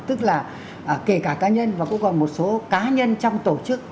tức là kể cả cá nhân và cũng còn một số cá nhân trong tổ chức